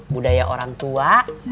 budaya orang tua